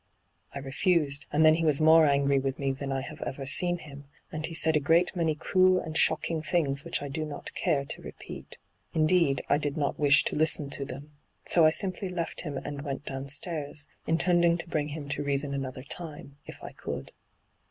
I refused, and then he was more angry with hyGoo>^lc ENTRAPPED 69 me than I have ever seen him, and he said a great many cruel and shocking things which I do not care to repeat. Indeed, I did not wish to listen to t^em, so I simply lefl him and went downstairs, intending to bring him to reason another time, if I could.'